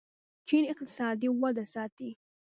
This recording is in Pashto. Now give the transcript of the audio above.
چین اقتصادي وده ساتي.